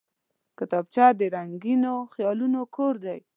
کتابچه د رنګینو خیالونو کور دی